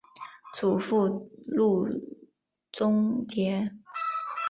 祖父路仲节。